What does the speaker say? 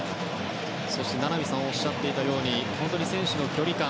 そして、名波さんがおっしゃっていたように選手の距離感。